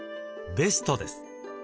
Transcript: ベストです。